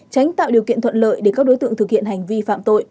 tránh tạo điều kiện thuận lợi để các đối tượng thực hiện hành vi phạm tội